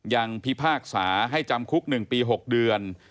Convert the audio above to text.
พิพากษาให้จำคุก๑ปี๖เดือน